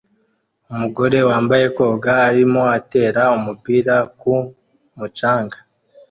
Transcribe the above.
Umugore wambaye koga arimo atera umupira ku mucanga